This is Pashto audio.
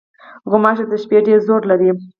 غوماشې د شپې ډېر زور لري.